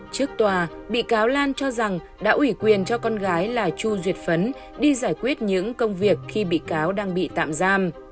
trước tòa bị cáo lan cho rằng đã ủy quyền cho con gái là chu duyệt phấn đi giải quyết những công việc khi bị cáo đang bị tạm giam